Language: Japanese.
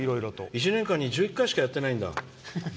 １年間に１１回しかやってないんだ。